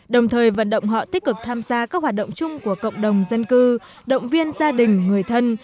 đồng thời vận động họ tích cực tham gia các hoạt động chung của cộng đồng dân cư động viên gia đình người thân